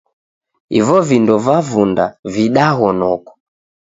Ivo vindo vavunda videgho noko.